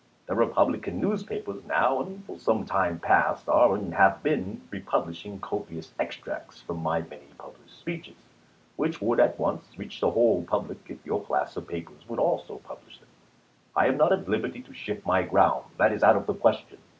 The Republican newspapers now and for some time past are and have been republishing copious extracts from my many published speeches, which would at once reach the whole public if your class of papers would also publish them. I am not at liberty to shift my ground — that is out of the question.